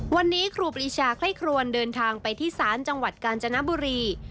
วันนี้ครูปรีชาไคร่ครวนเดินทางไปที่ศาลจังหวัดกาญจนบุรี